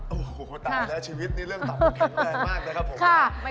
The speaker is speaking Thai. โอ้โหตายแล้วชีวิตนี่เรื่องตับอยู่แค่แรกมากเลยครับผม